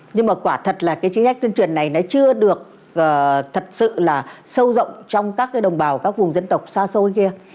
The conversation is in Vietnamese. nhưng mà quả thật là cái chính sách tuyên truyền này nó chưa được thật sự là sâu rộng trong các đồng bào các vùng dân tộc xa xôi kia